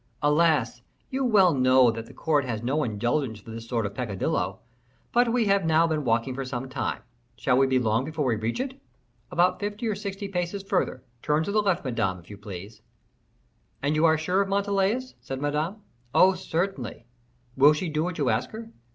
Alas! you well know that the court has no indulgence for this sort of peccadillo. But we have now been walking for some time, shall we be long before we reach it?" "About fifty or sixty paces further; turn to the left, Madame, if you please." "And you are sure of Montalais?" said Madame. "Oh, certainly." "Will she do what you ask her?"